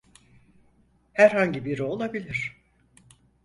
Herhangi biri olabilir.